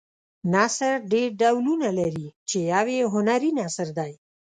نثر ډېر ډولونه لري چې یو یې هنري نثر دی.